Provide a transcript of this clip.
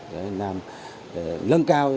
để làm lân cao